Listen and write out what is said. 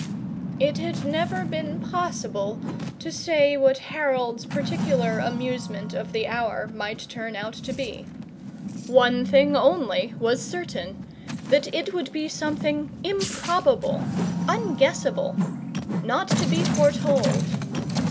It had never been possible to say what Harold's particular amusement of the hour might turn out to be. One thing only was certain, that it would be something improbable, unguessable, not to be foretold.